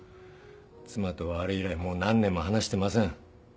妻とはあれ以来もう何年も話してません。